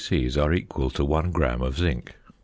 c. are equal to 1 gram of zinc.